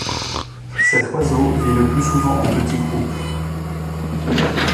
Cet oiseau vit le plus souvent en petits groupes.